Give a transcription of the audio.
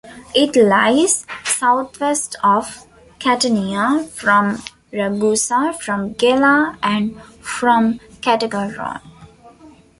It lies southwest of Catania, from Ragusa, from Gela, and from Caltagirone.